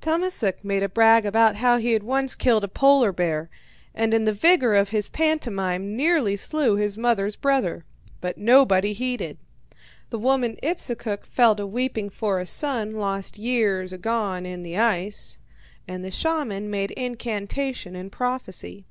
Tummasook made a brag about how he had once killed a polar bear, and in the vigour of his pantomime nearly slew his mother's brother. But nobody heeded. The woman Ipsukuk fell to weeping for a son lost long years agone in the ice, and the shaman made incantation and prophecy.